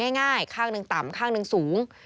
ง่ายข้างหนึ่งต่ำข้างหนึ่งสูง